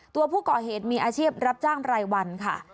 ตัวผู้ก่อเหตุมีอาชีพรับจ้างรายวันค่ะ